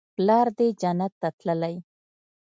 پلار دې جنت ته تللى.